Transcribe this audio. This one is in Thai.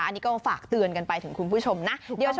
อันนี้ก็ฝากเตือนกันไปถึงคุณผู้ชมนะ